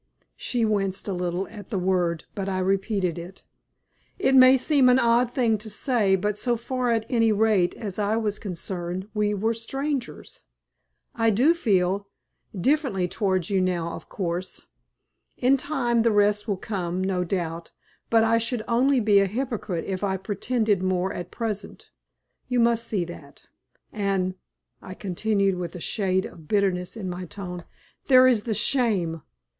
She winced a little at the word, but I repeated it. "It may seem an odd thing to say, but so far at any rate as I was concerned, we were strangers. I do feel differently towards you now of course. In time the rest will come, no doubt, but I should only be a hypocrite if I pretended more at present, you must see that; and," I continued, with a shade of bitterness in my tone, "there is the shame.